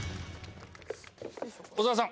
小沢さん。